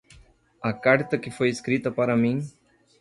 A carta que foi escrita para mim